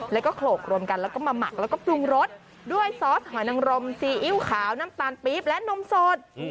แล้วก็โขลกรวมกันแล้วก็มาหมักแล้วก็ปรุงรสด้วยซอสหอยนังรมซีอิ๊วขาวน้ำตาลปี๊บและนมสด